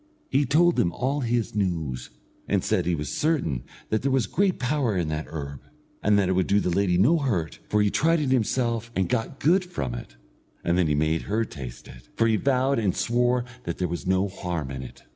He told them all his news, and said that he was certain that there was great power in that herb, and that it would do the lady no hurt, for he tried it himself and got good from it, and then he made her taste it, for he vowed and swore that there was no harm in it.